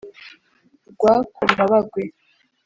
Rwa Komabagwe